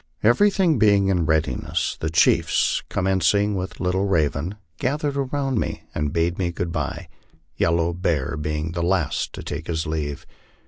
Everything being in readiness, the chiefs, commenc ing with Little Raven, gathered around me, and bade me good by, Yellow Bear being the last to take his leave.